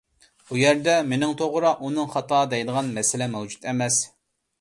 بۇ يەردە مېنىڭ توغرا، ئۇنىڭ خاتا دەيدىغان مەسىلە مەۋجۇت ئەمەس.